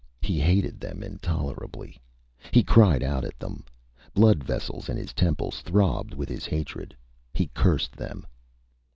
He hated them intolerably. He cried out at them. Blood vessels in his temples throbbed with his hatred. He cursed them.